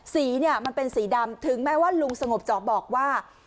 สีเนี่ยมันเป็นสีดำถึงแม้ว่าลุงสงบจะบอกว่า